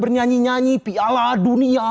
bernyanyi nyanyi piala dunia